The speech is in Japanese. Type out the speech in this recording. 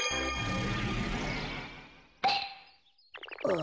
あ？